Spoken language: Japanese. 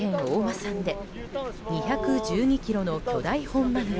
産で２１２ｋｇの巨大本マグロ。